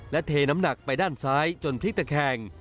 และเทน้ำหนักไปด้านซ้ายจนพลิกตะแคง